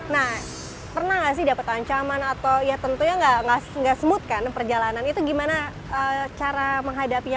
nah pernah nggak sih dapat ancaman atau ya tentunya nggak smooth kan perjalanan itu gimana cara menghadapinya